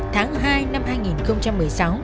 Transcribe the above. tháng hai năm hai nghìn một mươi sáu